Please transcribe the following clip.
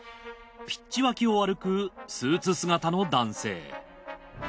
ピッチ脇を歩くスーツ姿の男性。